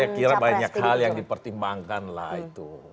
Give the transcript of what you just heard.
saya kira banyak hal yang dipertimbangkan lah itu